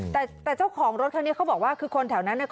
แต่เจ้าของรถคันนี้เขาบอกว่าคือคนแถวนั้นเนี่ย